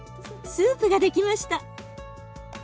スープが出来ました！